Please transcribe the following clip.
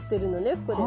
ここで。